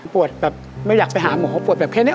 แบบไม่อยากไปหาหมอปวดแบบแค่นี้